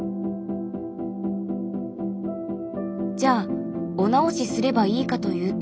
じゃあお直しすればいいかというと。